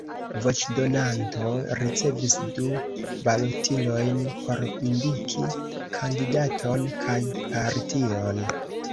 Voĉdonanto ricevis du balotilojn por indiki kandidaton kaj partion.